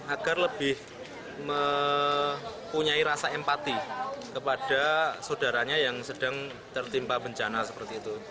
agar lebih mempunyai rasa empati kepada saudaranya yang sedang tertimpa bencana seperti itu